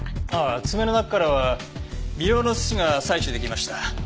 爪の中からは微量の土が採取出来ました。